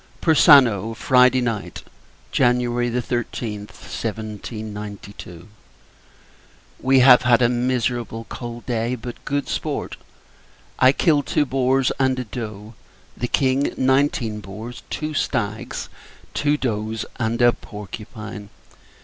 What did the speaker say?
X. Persano, Friday Night, [Jan. 13th, 1792.] We have had a miserable cold day, but good sport. I killed two boars, and a doe; the King, nineteen boars, two stags, two does, and a porcupine.